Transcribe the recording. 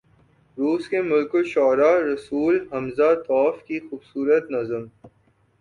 روس کے ملک الشعراء “رسول ھمزہ توف“ کی خوبصورت نظم